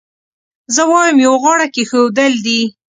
زه وایم یو غاړه کېښودل دي.